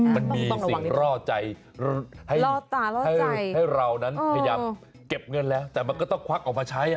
มันมีสิ่งรอดใจให้เรานั้นพยายามเก็บเงินแล้วแต่มันก็ต้องควักออกมาใช้